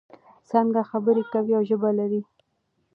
څانګه خبرې کوي او ژبه لري.